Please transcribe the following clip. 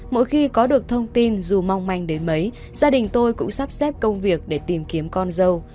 mỗi khi có được thông tin dù mong manh đến mấy gia đình tôi cũng sắp xếp công việc để tìm kiếm con dâu